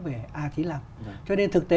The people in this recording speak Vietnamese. về a chín mươi năm cho nên thực tế